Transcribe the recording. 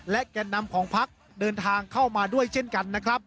และแก่นำของพักเดินทางเข้ามาด้วยเช่นกันนะครับ